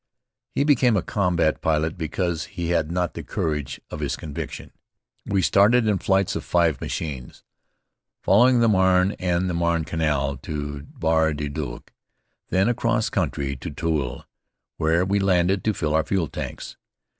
He became a combat pilot because he had not the courage of his conviction. We started in flights of five machines, following the Marne and the Marne Canal to Bar le Duc, then across country to Toul, where we landed to fill our fuel tanks.